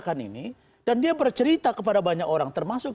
kalau saya tersenyum lagi itu udah jumat youtube